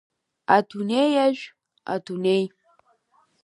Адунеиажә, адунеи!